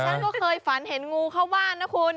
ฉันก็เคยฝันเห็นงูเข้าบ้านนะคุณ